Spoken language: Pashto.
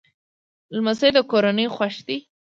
لمسی د کورنۍ خوښي ده.